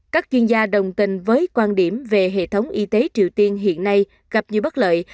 các chuyên gia đồng tình với quan điểm về hệ thống y tế triều tiên hiện nay gặp nhiều bất lợi